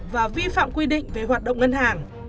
và vi phạm quy định về hoạt động ngân hàng